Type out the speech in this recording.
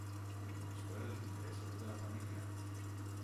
Administrar els interessos de la família.